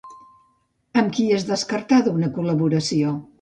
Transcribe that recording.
Amb qui és descartada una col·laboració?